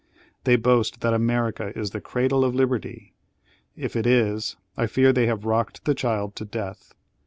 They boast that America is the "cradle of liberty"; if it is, I fear they have rocked the child to death.